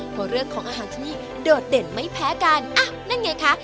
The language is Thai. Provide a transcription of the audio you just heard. เพราะเรื่องของอาหารที่นี่โดดเด่นไม่แพ้กันอ่ะนั่นไงคะ